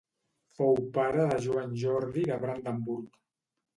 Fou pare de Joan Jordi de Brandenburg.